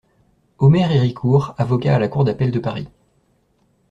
Omer Héricourt avocat à la Cour d'appel de Paris!